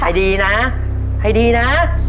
ให้ดีนะให้ดีนะ